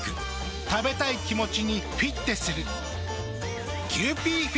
食べたい気持ちにフィッテする。